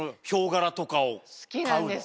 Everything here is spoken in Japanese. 好きなんです